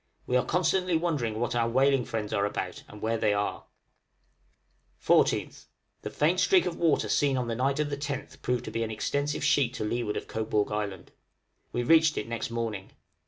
We are constantly wondering what our whaling friends are about, and where they are? 14th. The faint streak of water seen on the night of the 10th proved to be an extensive sheet to leeward of Cobourg Island. We reached it next morning.